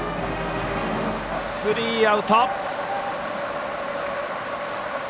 スリーアウト。